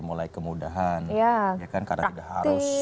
mulai kemudahan ya praktis karena tidak harus pergi ke tempatnya lalu kemudian juga